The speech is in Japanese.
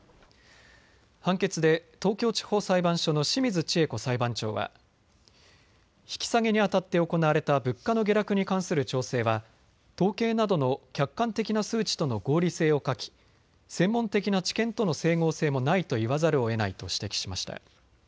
判決で東京地方裁判所の清水知恵子裁判長は引き下げにあたって行われた物価の下落に関する調整は統計などの客観的な数値との合理性を欠き、専門的な知見との整合性もないと言わざるをえないと指摘しました。